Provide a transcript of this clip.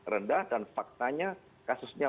rendah dan faktanya kasusnya